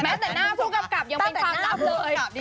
แต่หน้าผู้กำกับยังเป็นความลับเลย